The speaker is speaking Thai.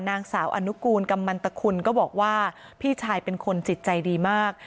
นางสาวอนุกูลกำมันตะคุณก็บอกว่าพี่ชายเป็นคนจิตใจดีมาก